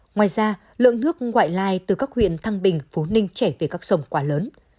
ngoài ra lượng nước ngoại lai từ các huyện thăng bình phú ninh chảy về các sông quá lớn